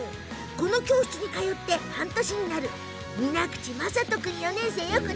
この教室に通って半年になる水口雅都君、４年生。